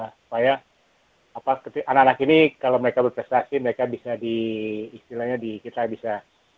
supaya anak anak ini kalau mereka berprestasi mereka bisa di istilahnya di kita bisa kasih kelihatan ke klub klub yang lebih besar